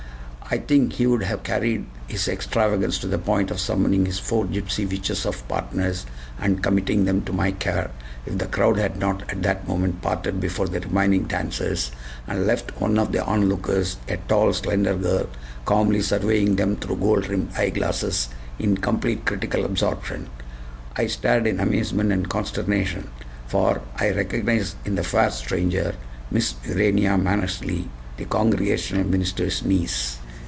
I think he would have carried his extravagance to the point of summoning his four gypsy witches of partners, and committing them to my care, if the crowd had not at that moment parted before the remaining dancers, and left one of the onlookers, a tall, slender girl, calmly surveying them through gold rimmed eyeglasses in complete critical absorption. I stared in amazement and consternation; for I recognized in the fair stranger Miss Urania Mannersley, the Congregational minister's niece!